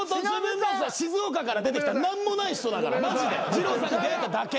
じろうさんに出会えただけ。